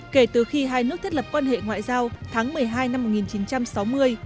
kể từ khi hai nước thiết lập quan hệ ngoại giao tháng một mươi hai năm một nghìn chín trăm sáu mươi